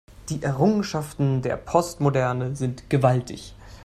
Die Errungenschaften der Postmoderne sind gewaltig.